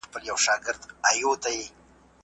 نن هغه اور د ابا پر مېنه بل دئ